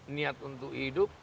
niat untuk hidup